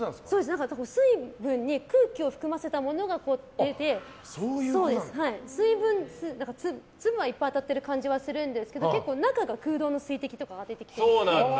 水分に空気を含ませたものが出てて粒がいっぱい当たってる感じはするんですけど結構、中が空洞の粒が出て。